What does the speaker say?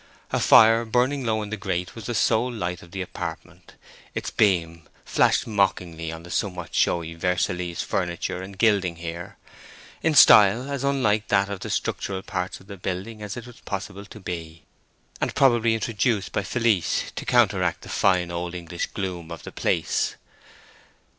A fire burning low in the grate was the sole light of the apartment; its beams flashed mockingly on the somewhat showy Versaillese furniture and gilding here, in style as unlike that of the structural parts of the building as it was possible to be, and probably introduced by Felice to counteract the fine old English gloom of the place.